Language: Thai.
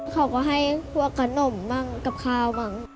เขาก็ให้พวกขนมบ้างกับข้าวบ้าง